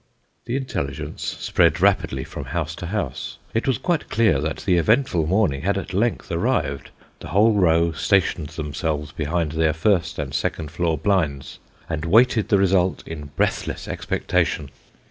The intelligence spread rapidly from house to house. It was quite clear that the eventful morning had at length arrived ; the whole row stationed themselves behind their first and second floor blinds, and waited the result in breathless expectation.